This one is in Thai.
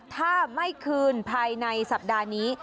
ถ้าไม่คืนภายในสัปดาห์นี้